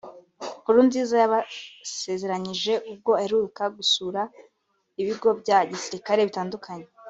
Nkurunziza yakabasezeranyije ubwo aherutse gusura ibigo bya gisirikare bitandukanye